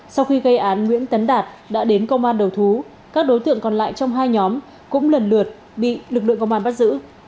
sau khi gây án nguyễn tấn đạt đã đến công an đầu thú các đối tượng còn lại trong hai nhóm cũng lần lượt bị lực lượng công an bắt giữ